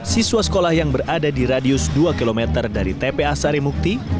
siswa sekolah yang berada di radius dua km dari tpa sarimukti